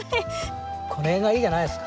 この辺がいいんじゃないですか。